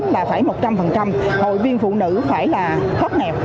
và phải một trăm linh hội viên phụ nữ phải là khóc nẹp